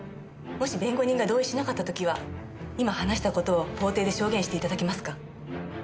もし弁護人が同意しなかった時は今話した事を法廷で証言して頂けますか？